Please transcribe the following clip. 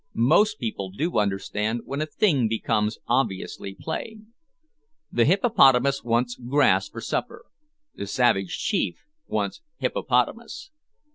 Most people do understand, when a thing becomes obviously plain. The hippopotamus wants grass for supper; the "savage" chief wants hippopotamus.